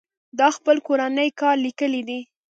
تا خپل کورنۍ کار ليکلى دئ.